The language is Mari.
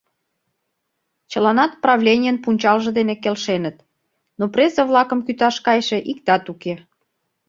Чыланат правленийын пунчалже дене келшеныт, но презе-влакым кӱташ кайше иктат уке.